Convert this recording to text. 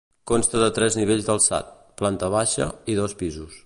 Consta de tres nivells d'alçat: planta baixa i dos pisos.